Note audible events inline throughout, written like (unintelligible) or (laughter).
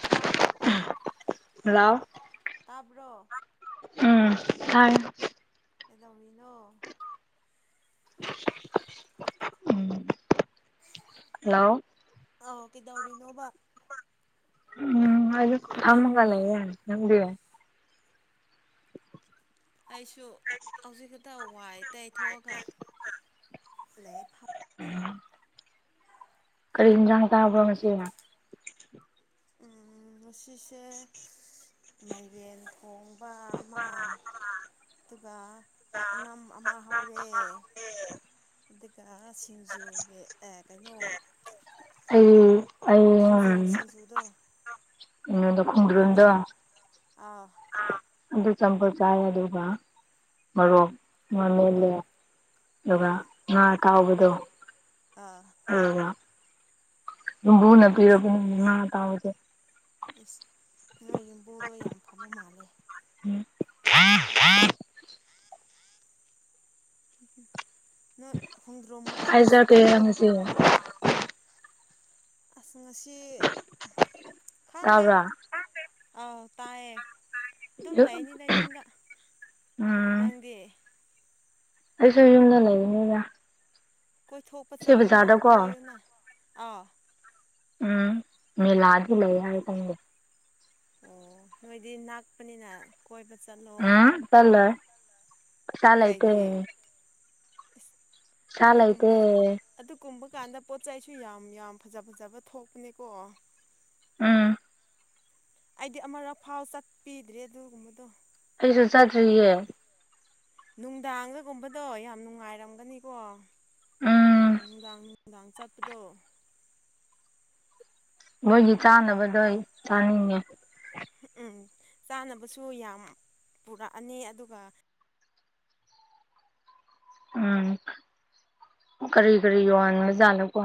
ꯄꯣꯔꯣ ꯍꯂꯥꯎꯑꯣ ꯇꯥꯕ꯭ꯔꯣ ꯎꯝ ꯊꯥꯏ ꯀꯩꯗꯧꯔꯤꯅꯣ ꯎꯝ ꯂꯥꯎꯑꯣ ꯑꯥꯎ ꯀꯩꯗꯧꯔꯤꯅꯣꯕ ꯎꯝ ꯑꯗꯨ ꯊꯃꯒꯂ ꯏꯅꯤ ꯅꯕꯤꯕ ꯑꯩꯁꯨ ꯍꯧꯖꯤꯛ ꯈꯛꯇ ꯋꯥꯏ ꯇꯩꯊꯣꯛꯑꯒ ꯂꯩꯏ ꯐ ꯎꯝ ꯀꯔꯤ ꯏꯟꯖꯥꯡ ꯆꯕꯔꯣ ꯉꯁꯤꯅ ꯉꯁꯤꯁꯦ ꯃꯥꯏꯔꯦꯟ ꯍꯣꯡꯕ ꯑꯃ ꯑꯗꯨꯒ ꯄꯥꯛꯅꯝ ꯑꯃ ꯍꯧꯔꯦ ꯀ ꯁꯤꯡꯖꯨ ꯑꯦ ꯀꯩꯅꯣ ꯑꯩ ꯑꯩ ꯊꯥꯡꯖꯤꯡ ꯁꯤꯡꯖꯨꯗꯣ ꯀꯩꯅꯣꯗꯣ ꯈꯣꯡ ꯗꯔꯨꯝ ꯗꯣ ꯑꯥ ꯑꯗꯨ ꯆꯝꯑꯣꯐꯨꯠ ꯆꯥꯏ ꯑꯗꯨꯒ ꯃꯣꯔꯣꯛ ꯃꯦꯠꯂꯦ ꯑꯗꯨꯒ ꯑꯣ ꯉꯥ ꯑꯇꯥꯎꯕꯗꯣ ꯑꯥ ꯀꯔꯤꯔꯥ ꯌꯨꯝꯕꯨ ꯅ ꯏꯁ ꯄꯤꯔꯛꯄꯅꯦ ꯉꯥ ꯑꯇꯧꯕꯁꯦ ꯏꯁ ꯅꯣꯏ ꯌꯨꯝꯕꯨꯗꯣ ꯌꯥꯝ ꯐꯕ ꯃꯥꯜꯂꯦ ꯍꯥ (unintelligible) ꯎꯝ ꯅꯣꯏ ꯍꯣꯡꯗ꯭ꯔꯣꯝꯒ ꯑꯁ ꯍꯥꯏꯖꯔꯛꯀꯦꯔꯥ ꯇꯧꯕꯗꯣ ꯉꯁꯤ ꯍꯥꯎꯔꯝꯒꯅꯤ ꯑꯁ ꯉꯁꯤ ꯈꯪꯗꯦ ꯇꯥꯕ꯭ꯔꯥ ꯑꯥꯎ ꯇꯥꯏꯌꯦ ꯑꯗꯨꯝ ꯂꯩꯅꯤꯗ ꯌꯨꯝꯗ ꯎꯝ ꯅꯪꯗꯤ ꯑꯩꯁꯨ ꯌꯨꯝꯗ ꯂꯩꯕꯅꯦꯗꯥ ꯀꯣꯏ ꯊꯣꯛꯄ ꯆꯠꯂꯨꯅ ꯀꯣꯏꯌꯨꯅ ꯑꯥꯎ ꯎꯝ ꯃꯤꯂꯥꯗꯤ ꯂꯩ ꯍꯥꯌꯦ ꯈꯪꯗꯦ ꯑꯣ ꯅꯣꯏꯗꯤ ꯅꯛꯄꯅꯤꯅ ꯀꯣꯏꯕ ꯆꯠꯂꯣ ꯎꯝ ꯆꯠꯂꯣꯏ ꯄꯩꯁꯥ ꯂꯩꯇꯦ ꯀꯩꯒꯤ ꯄꯩꯁꯥ ꯑꯗꯨꯒꯨꯝꯕ ꯂꯩꯇꯦ ꯑꯗꯨꯝ ꯀꯨꯝꯕ ꯀꯥꯟꯗ ꯄꯣꯠ ꯆꯩꯁꯨ ꯌꯥꯝ ꯌꯥꯝ ꯐꯖ ꯐꯖꯕ ꯊꯣꯛꯄꯅꯦꯀꯣ ꯎꯝ ꯑꯩꯗꯤ ꯑꯃꯔꯛ ꯐꯥꯎ ꯆꯠꯄꯤꯗ꯭ꯔꯦ ꯑꯗꯨꯒꯨꯝꯕꯗꯣ ꯑꯩꯁꯨ ꯆꯠꯇ꯭ꯔꯤꯌꯦ ꯅꯨꯡꯗꯥꯡꯒꯒꯨꯝꯕꯗꯣ ꯌꯥꯝ ꯅꯨꯡꯉꯥꯏꯔꯝꯒꯅꯤꯀꯣ ꯎꯝ ꯅꯨꯡꯗꯥꯡ ꯅꯨꯡꯗꯥꯥꯡ ꯆꯠꯄꯗꯣ ꯃꯣꯏꯒꯤ ꯆꯥꯅꯕꯗꯣ ꯑꯩ ꯆꯥꯅꯤꯡꯉꯦ ꯝ ꯎꯝ ꯆꯥꯅꯕꯁꯨ ꯌꯥꯝ ꯄꯨꯔꯛꯑꯅꯤ ꯑꯗꯨꯒ ꯎꯝ ꯀꯔꯤ ꯀꯔꯤ ꯌꯣꯟꯕ ꯖꯠ ꯅꯣ ꯀꯣ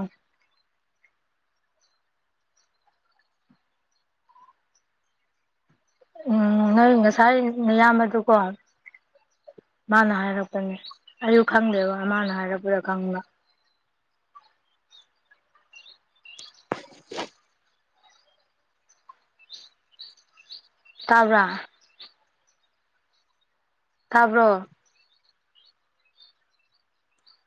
ꯎꯝ ꯅꯣꯏ ꯉꯁꯥꯏ ꯃꯌꯥꯝꯕ ꯑꯗꯨꯀꯣ ꯃꯥꯅ ꯍꯥꯏꯔꯛꯄꯅꯦ ꯑꯩꯌꯨ ꯈꯪꯗꯦꯕ ꯃꯥꯅ ꯍꯥꯏꯔꯛꯄꯗ ꯈꯪꯕ ꯇꯥꯕ꯭ꯔꯥ ꯇꯥꯕ꯭ꯔꯣ